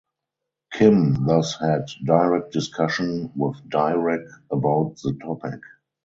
Kim thus had direct discussion with Dirac about the topic.